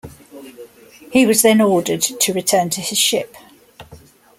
He was then ordered to return to his ship.